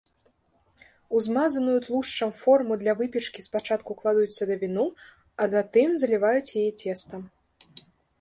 У змазаную тлушчам форму для выпечкі спачатку кладуць садавіну, а затым заліваюць яе цестам.